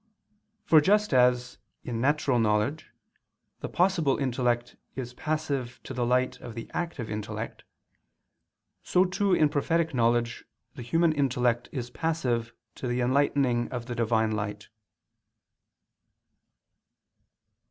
For just as, in natural knowledge, the possible intellect is passive to the light of the active intellect, so too in prophetic knowledge the human intellect is passive to the enlightening of the Divine light.